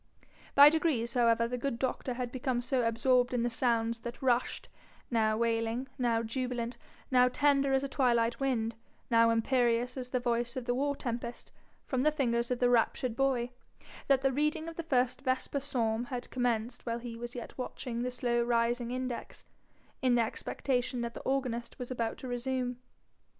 By degrees however the good doctor had become so absorbed in the sounds that rushed, now wailing, now jubilant, now tender as a twilight wind, now imperious as the voice of the war tempest, from the fingers of the raptured boy, that the reading of the first vesper psalm had commenced while he was yet watching the slow rising index, in the expectation that the organist was about to resume.